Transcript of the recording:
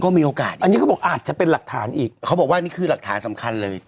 มีโอกาสอันนี้เขาบอกอาจจะเป็นหลักฐานอีกเขาบอกว่านี่คือหลักฐานสำคัญเลย